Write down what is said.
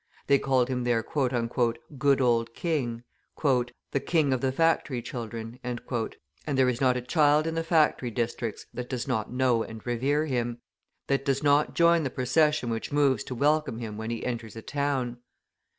They called him their "good old king," "the king of the factory children," and there is not a child in the factory districts that does not know and revere him, that does not join the procession which moves to welcome him when he enters a town.